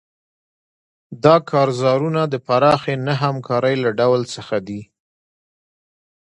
دا کارزارونه د پراخې نه همکارۍ له ډول څخه دي.